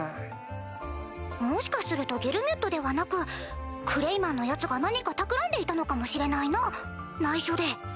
もしかするとゲルミュッドではなくクレイマンのヤツが何かたくらんでいたのかもしれないな内緒で。